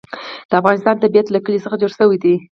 د افغانستان طبیعت له کلي څخه جوړ شوی دی.